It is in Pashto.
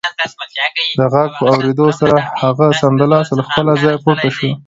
د غږ په اورېدو سره هغه سمدلاسه له خپله ځايه پورته شو